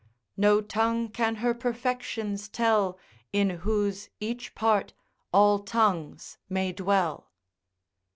No tongue can her perfections tell, In whose each part, all tongues may dwell.